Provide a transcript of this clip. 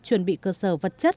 chuẩn bị cơ sở vật chất